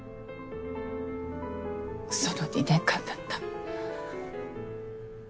ウソの２年間だった。